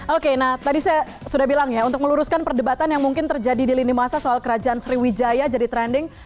oke nah tadi saya sudah bilang ya untuk meluruskan perdebatan yang mungkin terjadi di lini masa soal kerajaan sriwijaya jadi trending